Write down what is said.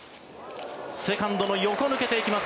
セカンドの横、抜けていきます。